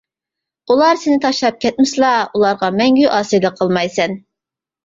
ئۇلار سېنى تاشلاپ كەتمىسىلا، ئۇلارغا مەڭگۈ ئاسىيلىق قىلمايسەن.